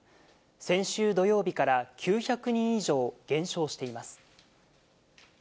先週土曜日から９００人以上減少しています。